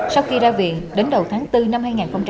sau khi ra viện đến đầu tháng bốn năm hai nghìn một mươi sáu